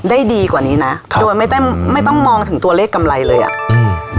ดีกว่านี้นะครับโดยไม่ต้องไม่ต้องมองถึงตัวเลขกำไรเลยอ่ะอืม